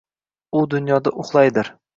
— U dunyoda uxlaydir.